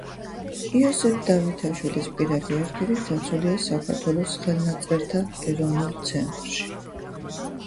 იოსებ დავითაშვილის პირადი არქივი დაცულია საქართველოს ხელნაწერთა ეროვნულ ცენტრში.